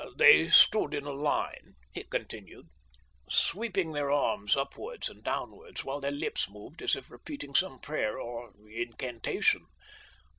"They stood in a line," he continued, "sweeping their arms upwards and downwards, while their lips moved as if repeating some prayer or incantation.